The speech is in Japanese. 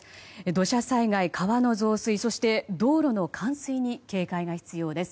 土砂災害、川の増水そして、道路の冠水に警戒が必要です。